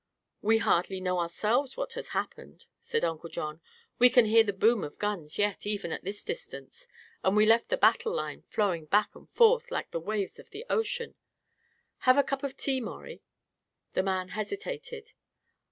"We hardly know ourselves what has happened," said Uncle John. "We can hear the boom of guns yet, even at this distance, and we left the battle line flowing back and forth like the waves of the ocean. Have a cup of tea, Maurie?" The man hesitated.